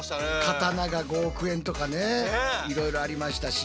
刀が５億円とかねいろいろありましたし。